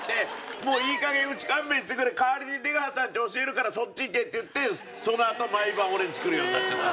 もういい加減うち勘弁してくれ代わりに出川さんち教えるからそっち行けって言ってそのあと毎晩俺んち来るようになっちゃった。